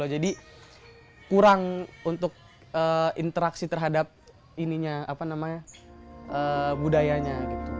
jadi kurang untuk interaksi terhadap budayanya